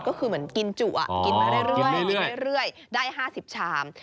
ก็คือเหมือนกินจุ๊ะกินมาเรื่อยได้๕๐ชาม